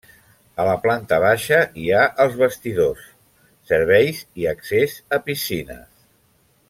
A la planta baixa hi ha els vestidors, serveis i accés a piscines.